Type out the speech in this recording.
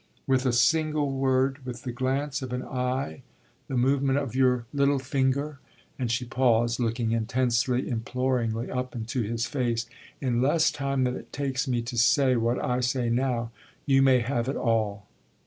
"With a single word, with the glance of an eye, the movement of your little finger" and she paused, looking intensely, imploringly up into his face "in less time than it takes me to say what I say now, you may have it all."